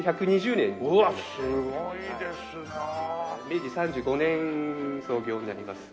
明治３５年創業になります。